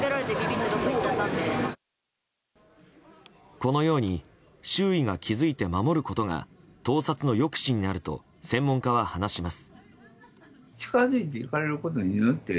このように周囲が気付いて守ることが盗撮の抑止になると専門家は話します。